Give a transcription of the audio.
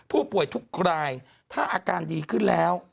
ผู้ป่วยทุกรายถ้าอาการดีขึ้นแล้ว